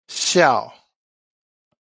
痟